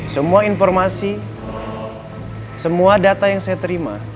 semua informasi semua data yang saya terima